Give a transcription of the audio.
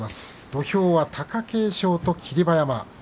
土俵は貴景勝と霧馬山。